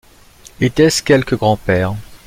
Était-ce quelque grand-père?